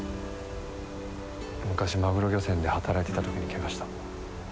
昔マグロ漁船で働いてた時に怪我した。